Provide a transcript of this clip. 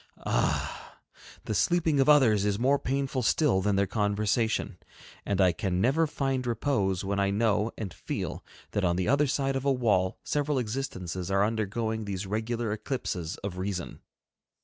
Ah! the sleeping of others is more painful still than their conversation. And I can never find repose when I know and feel that on the other side of a wall several existences are undergoing these regular eclipses of reason.